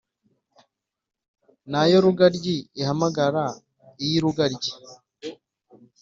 na yo rugaryi ihamagara iy’urugaryi,